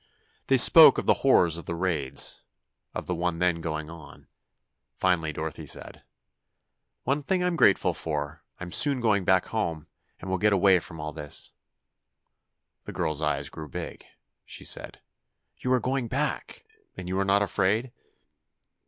They spoke of the horrors of the raids—of the one then going on. Finally, Dorothy said: "One thing I'm thankful for, I'm soon going back home, and will get away from all this." The girl's eyes grew big. She said: "You are going back! And you are not afraid?"